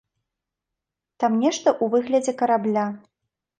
Там нешта ў выглядзе карабля.